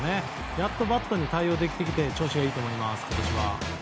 やっとバットに対応できてきて今年は調子がいいと思います。